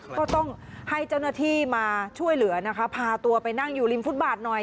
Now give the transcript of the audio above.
ก็ต้องให้เจ้าหน้าที่มาช่วยเหลือนะคะพาตัวไปนั่งอยู่ริมฟุตบาทหน่อย